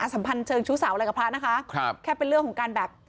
สัมพันธ์เชิงชู้สาวอะไรกับพระนะคะครับแค่เป็นเรื่องของการแบบ